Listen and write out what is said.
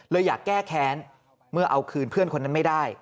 อยากแก้แค้นเมื่อเอาคืนเพื่อนคนนั้นไม่ได้